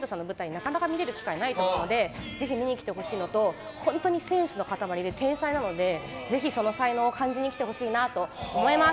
なかなか見れる機会ないのでぜひ見に来てほしいのと本当にセンスの塊なので天才なのでぜひ才能を感じに来てほしいなと思います。